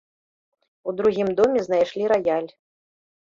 У другім доме знайшлі раяль.